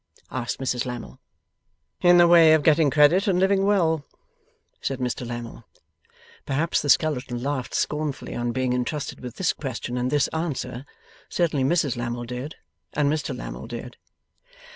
asked Mrs Lammle. 'In the way of getting credit, and living well,' said Mr Lammle. Perhaps the skeleton laughed scornfully on being intrusted with this question and this answer; certainly Mrs Lammle did, and Mr Lammle did.